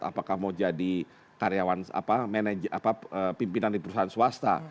apakah mau jadi karyawan pimpinan di perusahaan swasta